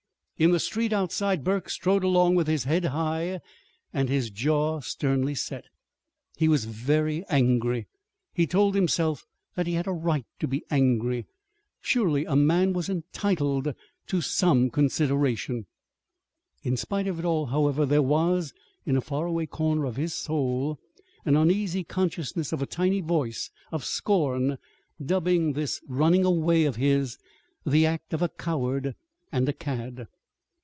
In the street outside Burke strode along with his head high and his jaw sternly set. He was very angry. He told himself that he had a right to be angry. Surely a man was entitled to some consideration! In spite of it all, however, there was, in a far away corner of his soul, an uneasy consciousness of a tiny voice of scorn dubbing this running away of his the act of a coward and a cad.